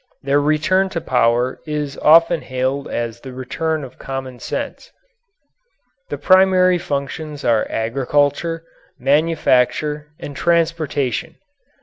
Their return to power is often hailed as the return of common sense. The primary functions are agriculture, manufacture, and transportation.